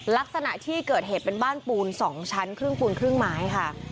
ลักษณะที่เกิดเหตุเป็นบ้านปูน๒ชั้นครึ่งปูนครึ่งไม้ค่ะ